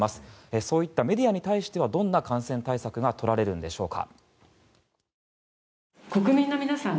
そういったメディアに対してはどんな感染対策が取られるんでしょうか。